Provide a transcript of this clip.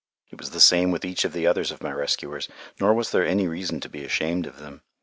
It was the same with each of the others of my rescuers, nor was there any reason to be ashamed of them.